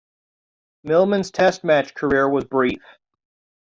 Millman's Test match career was brief.